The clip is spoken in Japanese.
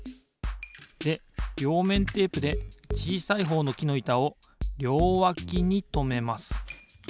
でりょうめんテープでちいさいほうのきのいたをりょうわきにとめます。